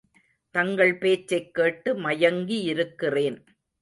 தங்கள் பேச்சைக் கேட்டு மயங்கியிருக்கிறேன்.